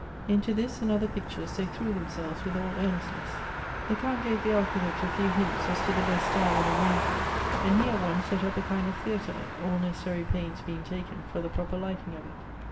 Into this and other pictures they threw themselves with all earnestness. The Count gave the Architect a few hints as to the best style of arrangement, and he at once set up a kind of theatre, all necessary pains being taken for the proper lighting of it.